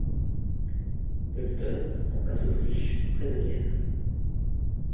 Pölten, en Basse-Autriche, près de Vienne.